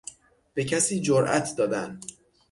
به کسی جرات دادن